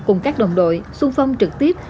cùng các đồng đội xuân phong trực tiếp